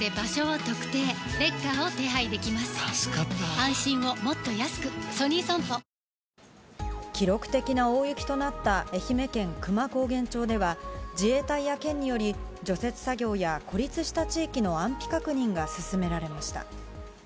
宮崎県選挙管理委員会によりますと、記録的な大雪となった愛媛県久万高原町では、自衛隊や県により、除雪作業や孤立した地域の安否確認が進められました。